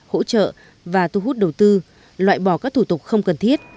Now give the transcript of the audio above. hỗ trợ và thu hút đầu tư loại bỏ các thủ tục không cần thiết